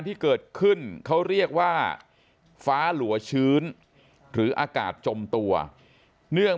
ที่เกิดขึ้นเขาเรียกว่าฟ้าหลัวชื้นหรืออากาศจมตัวเนื่อง